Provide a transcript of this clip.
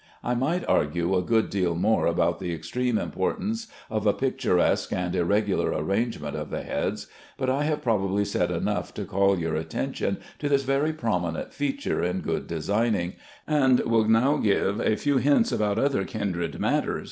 I might urge a good deal more about the extreme importance of a picturesque and irregular arrangement of the heads; but I have probably said enough to call your attention to this very prominent feature in good designing, and will now give a few hints about other kindred matters.